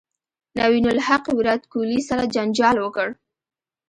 نوین الحق ویرات کوهلي سره جنجال وکړ